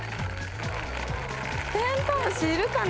テントウムシいるかね。